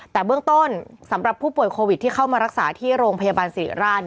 แต่เบื้องต้นสำหรับผู้ป่วยโควิดที่เข้ามารักษาที่โรงพยาบาลศิริราช